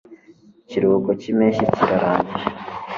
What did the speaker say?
ikiruhuko cyimpeshyi kirarangiye